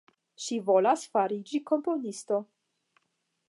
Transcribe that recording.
Ŝi volas fariĝi komponisto.